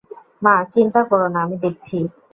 মা, চিন্তা কোরো না, আমি দেখছি।